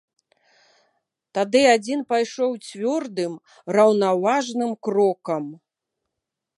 Тады адзін пайшоў цвёрдым, раўнаважным крокам.